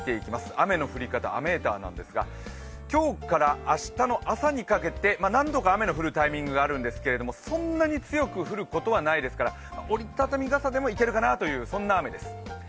雨の降り方、雨ーターなんですが今日から明日の朝にかけて、何度か雨の降るタイミングがあるんですけど、そんなに強く降ることはないですから、折り畳み傘でもいけるかなとそんな雨です。